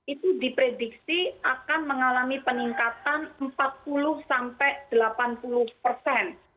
itu diprediksi akan mengalami peningkatan empat puluh sampai delapan puluh persen